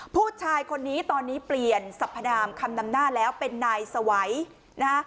ผู้ชายคนนี้ตอนนี้เปลี่ยนสัพพนามคำนำหน้าแล้วเป็นนายสวัยนะฮะ